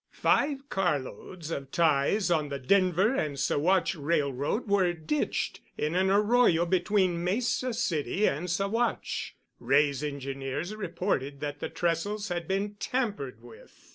Five carloads of ties on the Denver and Saguache railroad were ditched in an arroyo between Mesa City and Saguache. Wray's engineers reported that the trestles had been tampered with.